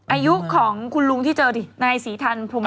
อายุของคุณลุงที่เจอดินายศรีทันพรม